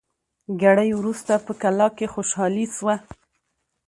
ګړی وروسته په کلا کي خوشالي سوه